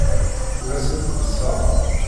Ur asent-d-ssaɣeɣ.